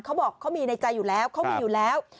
เขาบอกเขามีในใจอยู่แล้ว